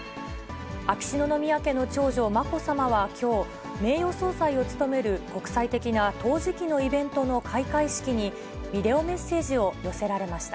秋篠宮家の長女、まこさまはきょう、名誉総裁を務める国際的な陶磁器のイベントの開会式に、ビデオメッセージを寄せられました。